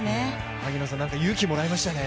萩野さん、何か勇気もらいましたね。